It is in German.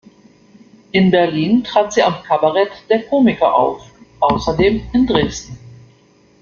In Berlin trat sie am Kabarett der Komiker auf, außerdem in Dresden.